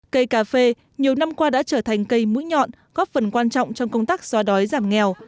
cây cà phê nhiều năm qua đã trở thành cây mũi nhọn góp phần quan trọng trong công tác xóa đói giảm nghèo